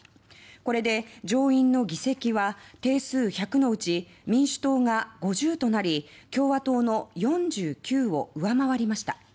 これで上院の議席は定数１００のうち民主党が５０となり共和党の４９を上回りました。